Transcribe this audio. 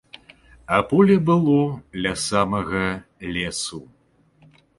А поле было ля самага лесу.